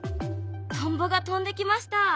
トンボが飛んできました。